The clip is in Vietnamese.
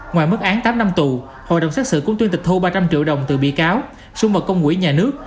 ngoài mức án tám năm tù hội đồng xác sự cũng tuyên tịch thu ba trăm linh triệu đồng từ bị cáo xuống vào công quỹ nhà nước